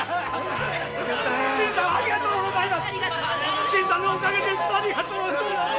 新さんありがとうございます。